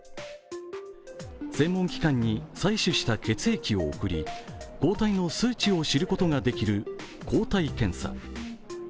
専門機関に採取した血液を送り抗体の数値を知ることができる抗体検査。